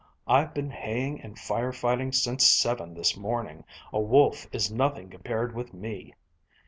I've been haying and fire fighting since seven this morning. A wolf is nothing compared with me."